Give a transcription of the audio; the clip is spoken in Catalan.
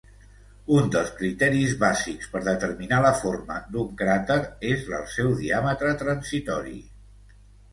Un dels criteris bàsics per determinar la forma d'un cràter és el seu diàmetre transitori.